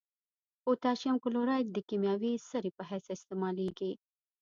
پوتاشیم کلورایډ د کیمیاوي سرې په حیث استعمالیږي.